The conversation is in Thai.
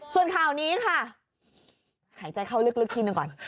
ส่วนข่าวนี้ค่ะหายใจเข้าลึกทีหนึ่งก่อน